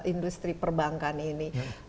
industri perbankan ini